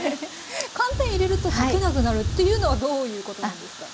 寒天入れると溶けなくなるっていうのはどういうことなんですか？